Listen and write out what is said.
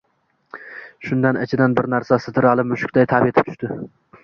Shunda ichidan bir narsa sidralib mushukday tap etib tushdi.